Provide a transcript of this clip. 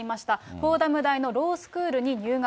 フォーダム大学のロースクールに入学。